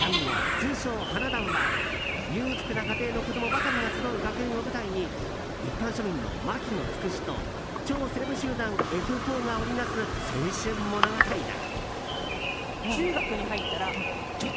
通称「花男」は裕福な家庭の子供ばかりが集う学園を舞台に一般庶民の牧野つくしと超セレブ集団Ｆ４が織りなす青春物語だ。